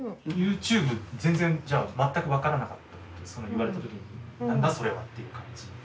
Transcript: ＹｏｕＴｕｂｅ全然じゃあ全く分からなかったその言われた時に何だそれは？っていう感じ？